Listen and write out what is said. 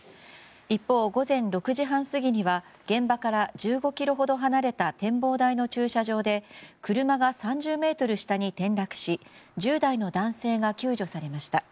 一方、午前６時半過ぎには現場から１５ｋｍほど離れた展望台の駐車場で車が３０ｍ下に転落し１０代の男性が救助されました。